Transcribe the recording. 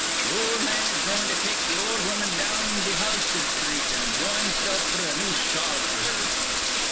'Th' ol' man is goin' to take th' ol' woman down be Halsted Sthreet' an' blow himsilf f'r a new shawl f'r her.'